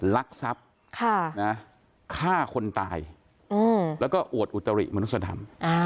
ลักทรัพย์ฆ่าคนตายแล้วก็อวดอุตริมนุษยธรรม